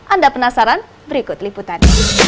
anda penasaran berikut liputan